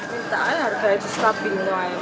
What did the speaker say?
mintaan harganya sekapin aja mas